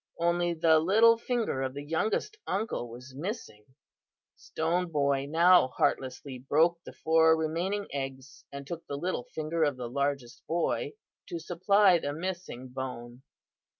Only the little finger of the youngest uncle was missing. Stone Boy now heartlessly broke the four remaining eggs, and took the little finger of the largest boy to supply the missing bone.